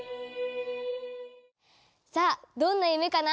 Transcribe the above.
さあどんな夢かな？